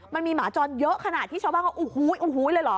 มันมีหมาจอนเยอะขนาดที่ช้าบ้านเขาอู้หู้ยอู้หู้ยเลยเหรอ